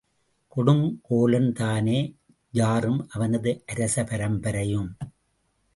கொடுங்கோலன் தானே ஜாரும் அவனது அரச பரம்பரையும்?